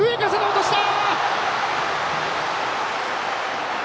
落とした！